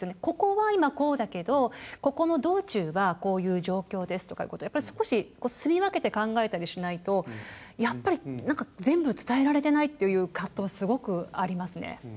「ここは今こうだけどここの道中はこういう状況です」とかいうことをやっぱり少しすみ分けて考えたりしないとやっぱり全部伝えられてないっていう葛藤はすごくありますね。